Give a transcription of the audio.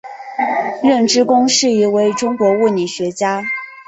任之恭是一位中国物理学家。